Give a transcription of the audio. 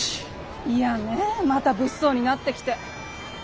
いやねまた物騒になってきて。